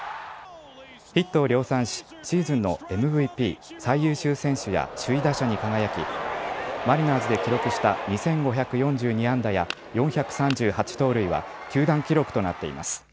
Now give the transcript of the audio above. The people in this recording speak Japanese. ヒットを量産し、シーズンのＭＶＰ・最優秀選手や首位打者に輝き、マリナーズで記録した２５４２安打や４３８盗塁は球団記録となっています。